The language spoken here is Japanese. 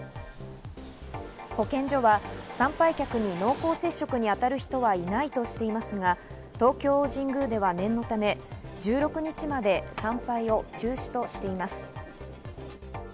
保健所は、参拝客に濃厚接触にあたる人はいないとしていますが、東京大神宮では念のため１６日まで参拝を中止としています。